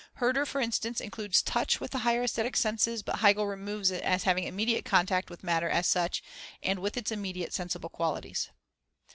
Herder, for instance, includes touch with the higher aesthetic senses, but Hegel removes it, as having immediate contact with matter as such, and with its immediate sensible qualities.